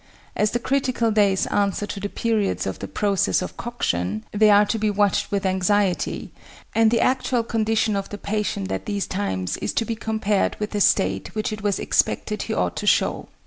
As the critical days answer to the periods of the process of coction, they are to be watched with anxiety, and the actual condition of the patient at these times is to be compared with the state which it was expected he ought to show.